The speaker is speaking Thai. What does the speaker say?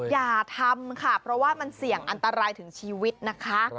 อย่าทำค่ะเพราะว่ามันเสี่ยงอันตรายถึงชีวิตนะคะ